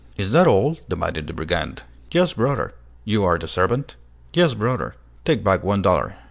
"Is that all?" demanded the brigand. "Yes, brother." "You are the servant?" "Yes, brother." "Take back one dollar.